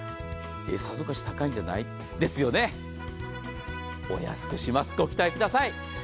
さぞかし高いんじゃない？ですよねお安くします、ご期待ください。